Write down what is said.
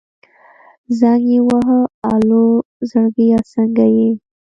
زنګ يې ووهه الو زړګيه څنګه يې.